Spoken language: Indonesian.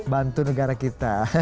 bantu negara kita